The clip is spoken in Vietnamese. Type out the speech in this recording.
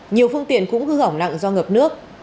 nhiều phương tiện cũng hư hỏng nặng do ngập nước